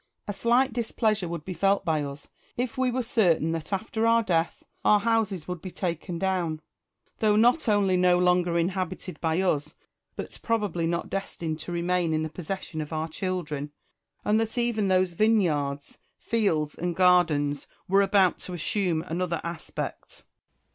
A slight displeasure would be felt by us, if we were certain that after our death our houses would be taken down, though not only no longer inhabited by us, but probably not destined to remain in the possession of our children ; and that even these vineyards, fields, and gardens, were about to assume another aspect.